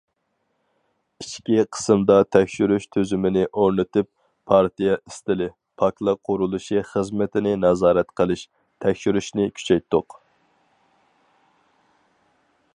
ئىچكى قىسىمدا تەكشۈرۈش تۈزۈمىنى ئورنىتىپ، پارتىيە ئىستىلى، پاكلىق قۇرۇلۇشى خىزمىتىنى نازارەت قىلىش، تەكشۈرۈشنى كۈچەيتتۇق.